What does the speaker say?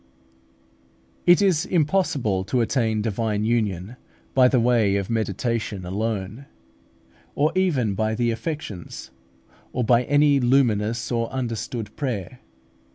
It is impossible to attain divine union by the way of meditation alone, or even by the affections, or by any luminous or understood prayer.